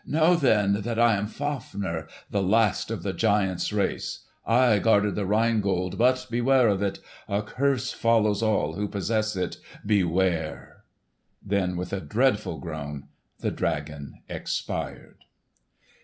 "Know then that I am Fafner, the last of the giants' race. I guarded the Rhine Gold; but beware of it! a curse follows all who possess it! Beware!" Then with a dreadful groan the dragon expired.